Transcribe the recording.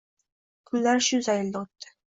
Kunlar shu zaylda oʻtdi.